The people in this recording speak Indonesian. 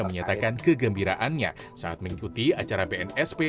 menyatakan kegembiraannya saat mengikuti acara bnsp